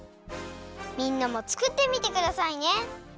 みんなもつくってみてくださいね！